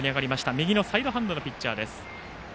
右のサイドハンドのピッチャー。